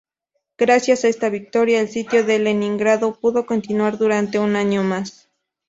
Gracias a esta victoria, el Sitio de Leningrado pudo continuar durante un año más.